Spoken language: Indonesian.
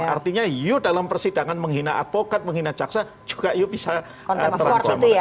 artinya yuk dalam persidangan menghina advokat menghina caksa juga yuk bisa terangkan